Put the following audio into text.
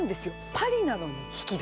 パリなのに引き戸。